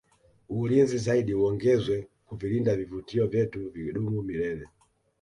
ulinzi zaidi uongezwe kuvilinda vivutio vyetu vidumu milele